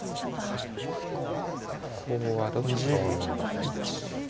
コウはどっちが多いんでしょうか。